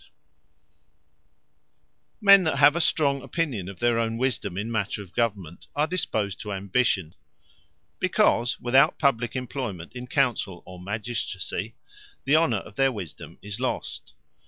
Ambition, From Opinion Of Sufficiency Men that have a strong opinion of their own wisdome in matter of government, are disposed to Ambition. Because without publique Employment in counsell or magistracy, the honour of their wisdome is lost.